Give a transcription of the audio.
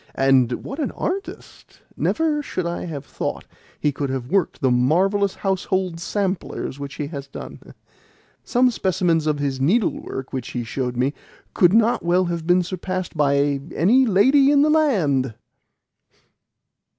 And what an artist! Never should I have thought he could have worked the marvellous household samplers which he has done! Some specimens of his needlework which he showed me could not well have been surpassed by any lady in the land!"